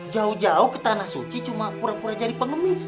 jauh jauh ke tanah suci cuma pura pura jadi pengemis